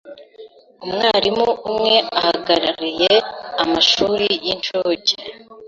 Umwarimu umwe uhagarariye amashuri y’inshuke